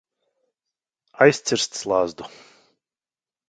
Aizcirst slazdu.